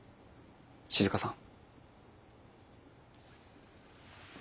静さん。